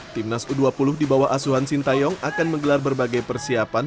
timnas u dua puluh di bawah asuhan sintayong akan menggelar berbagai persiapan